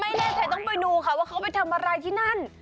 ไม่แน่ใจต้องไปดูค่ะว่าเขาไปทำอะไรที่นั่น